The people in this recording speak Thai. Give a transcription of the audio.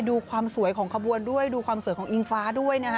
ดูความสวยของขบวนด้วยดูความสวยของอิงฟ้าด้วยนะฮะ